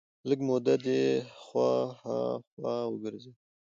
لږه موده دې خوا ها خوا وګرځېد.